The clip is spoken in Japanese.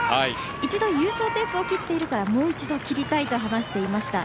一度、優勝テープを切っているからもう一度切りたいと話していました。